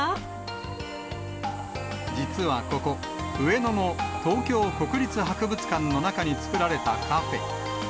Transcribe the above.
実はここ、上野の東京国立博物館の中に作られたカフェ。